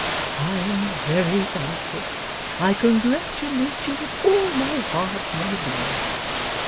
I am very thankful. I congratulate you with all my heart, my dear.